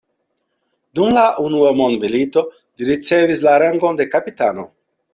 Dum la unua mondmilito li ricevis la rangon de kapitano.